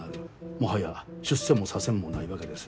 もはや出世も左遷もないわけです。